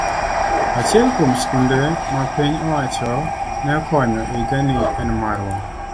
Achiel kuom skunde ma piny owacho ne okonyo e higani en marwa.